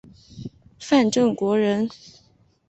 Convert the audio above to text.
范正国人。